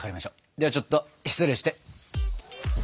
ではちょっと失礼して。